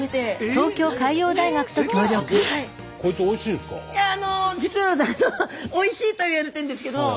いやあの実はおいしいとはいわれてるんですけど。